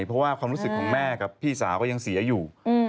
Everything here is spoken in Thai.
เพราะว่าความรู้สึกของแม่กับพี่สาวก็ยังเสียอยู่